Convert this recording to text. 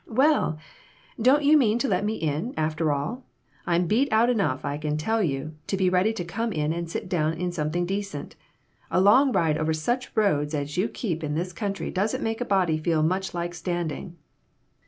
"Well, don't you mean to let me in, after all? I'm beat out enough, I can tell you, to be ready to come in and sit down in something decent. A Jong ride over such roads as you keep in this country doesn't make a body feel much like standing."